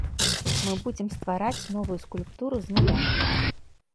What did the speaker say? Мы будзем ствараць новую скульптуру з нуля.